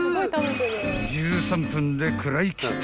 ［１３分で食らいきった］